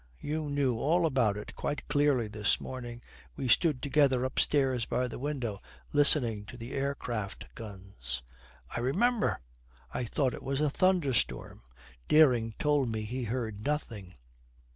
You knew all about it quite clearly this morning. We stood together upstairs by the window listening to the aircraft guns.' 'I remember! I thought it was a thunderstorm, Dering told me he heard nothing.'